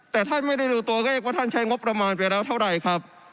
แต่ท่านไม่ได้ดูตัวเลขว่าท่านใช้งบประมาณไปแล้วเท่าไหร่ครับ